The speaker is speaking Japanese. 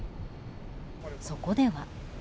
そこでは。